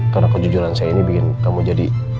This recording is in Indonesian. karena kejujuran saya ini bikin kamu jadi